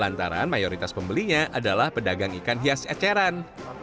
lantaran mayoritas pembelinya adalah pedagang ikan hias eceran